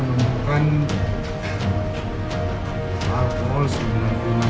itu kan menemukan